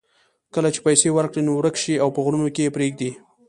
کله چې پیسې ورکړې نو ورک شي او په غرونو کې یې پرېږدي.